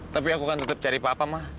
tapi aku kan tetap cari papa ma